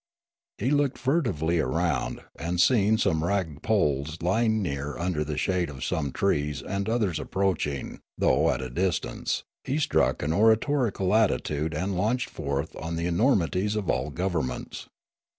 He looked furtively round, and, seeing some rag poles lying near under the .shade of some trees and others approaching, though at some distance, he struck an oratorical attitude and laiinched forth on the enormities of all governments.